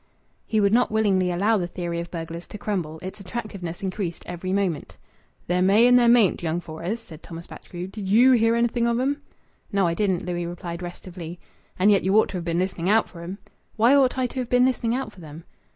He would not willingly allow the theory of burglars to crumble. Its attractiveness increased every moment. "There may and there mayn't, young Fores," said Thomas Batchgrew. "Did you hear anything of 'em?" "No, I didn't," Louis replied restively. "And yet you ought to have been listening out for 'em." "Why ought I to have been listening out for them?"